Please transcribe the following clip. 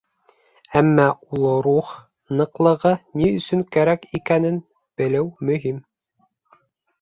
Әммә ул рух ныҡлығы ни өсөн кәрәк икәнен белеү мөһим.